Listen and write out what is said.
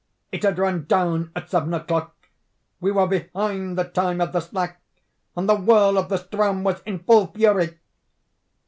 _It had run down at seven o'clock! We were behind the time of the slack, and the whirl of the Ström was in full fury!